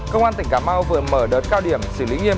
công an tỉnh cà mau vừa mở đợt cao điểm xử lý nghiêm